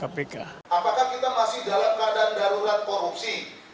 apakah kita masih dalam keadaan darurat korupsi